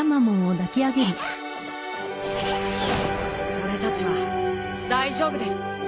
俺たちは大丈夫です。